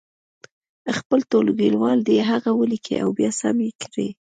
خپل ټولګیوال دې هغه ولیکي او بیا سم یې کړي.